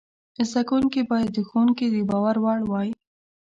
زده کوونکي باید د ښوونکي د باور وړ وای.